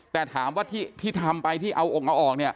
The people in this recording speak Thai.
แต่ถามว่าที่ทำไปที่เอาออก